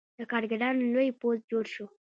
د کارګرانو لوی پوځ جوړ شو.